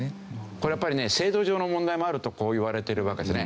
これやっぱりね制度上の問題もあるといわれてるわけですね。